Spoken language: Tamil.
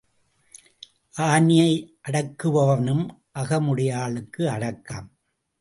ஆனையை அடக்குபவனும் அகமுடையாளுக்கு அடக்கம்.